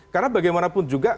karena bagaimanapun juga